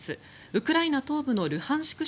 ウクライナ東部のルハンシク